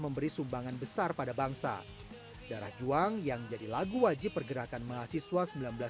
memberi sumbangan besar pada bangsa darah juang yang jadi lagu wajib pergerakan mahasiswa